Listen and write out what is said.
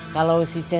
kalau si cecep